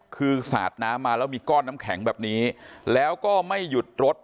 คือสาดน้ำมาแล้วมีก้อนน้ำแข็งแบบนี้แล้วก็ไม่หยุดรถ